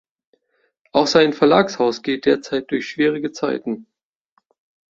Auch sein Verlagshaus geht derzeit durch schwierige Zeiten.